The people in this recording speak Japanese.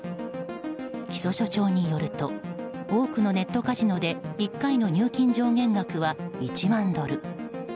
木曽所長によると多くのネットカジノで１回の入金上限額は１万ドル。